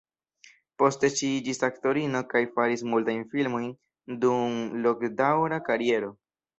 Poste ŝi iĝis aktorino kaj faris multajn filmojn dum longdaŭra kariero.